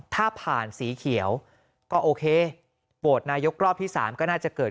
ถ้าผ่านสีเขียวก็โอเคโหวตนายกรอบที่๓ก็น่าจะเกิด